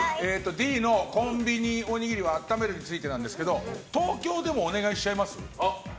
Ｄ、コンビニおにぎりは温めるについてですが東京でもお願いしちゃいます？